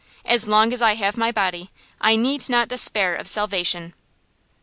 As long as I have my body, I need not despair of salvation.